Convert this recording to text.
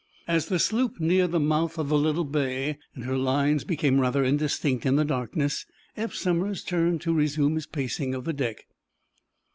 As the sloop neared the mouth of the little bay, and her lines became rather indistinct in the darkness, Eph Somers turned to resume his pacing of the deck.